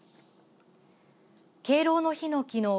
敬老の日のきのう